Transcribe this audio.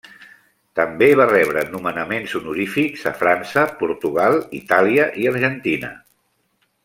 També va rebre nomenaments honorífics a França, Portugal, Itàlia i Argentina.